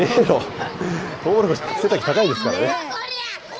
トウモロコシ、背丈高いですからね。